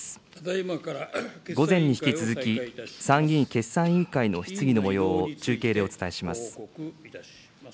午前に引き続き、参議院決算委員会の質疑のもようを中継でお伝えします。